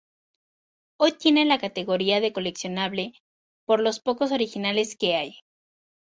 Hoy tiene la categoría de coleccionable por los pocos originales que hay.